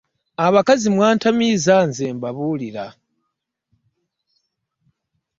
Abakazi mwatamiiza nze mbabulira .